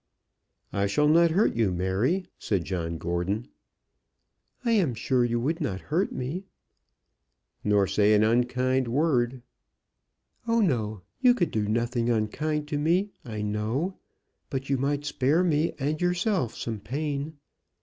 "I shall not hurt you, Mary," said John Gordon. "I am sure you would not hurt me." "Nor say an unkind word." "Oh no! You could do nothing unkind to me, I know. But you might spare me and yourself some pain."